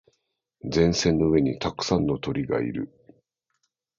電線の上にたくさんの鳥がいる。